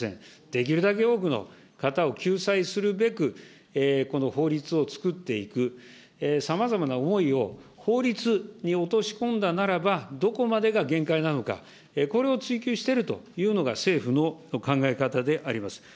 できるだけ多くの方を救済するべく、この法律を作っていく、さまざまな思いを法律に落とし込んだならば、どこまでが限界なのか、これを追求しているというのが政府の考え方であります。